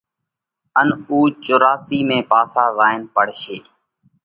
ان اُو چوراسي ۾ پاسا زائينَ پڙشي۔